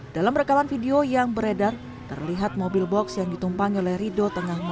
dalam rekaman video yang beredar terlihat mobil box yang ditumpangi oleh rido tengah